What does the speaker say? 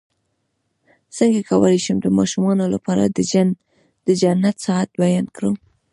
څنګه کولی شم د ماشومانو لپاره د جنت ساعت بیان کړم